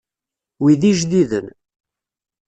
Wi d ijdiden.